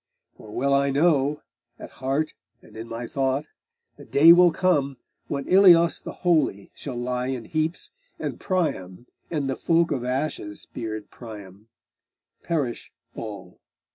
For well I know, at heart and in my thought, The day will come when Ilios the holy Shall lie in heaps, and Priam, and the folk Of ashen speared Priam, perish all.